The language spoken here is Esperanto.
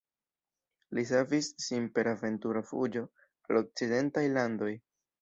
Li savis sin per aventura fuĝo al okcidentaj landoj.